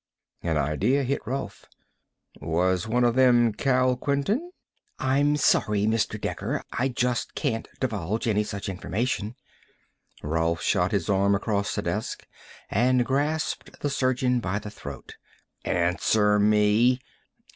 An idea hit Rolf. "Was one of them Kal Quinton?" "I'm sorry, Mr. Dekker. I just can't divulge any such information." Rolf shot his arm across the desk and grasped the surgeon by the throat. "Answer me!"